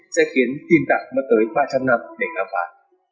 sẽ khiến tin tặng mất tới ba trăm linh năm để làm phá